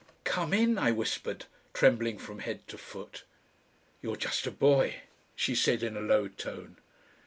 "COME IN!" I whispered, trembling from head to foot. "You're just a boy," she said in a low tone.